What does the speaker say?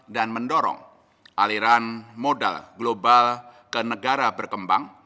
dan mendorong aliran modal global ke negara berkembang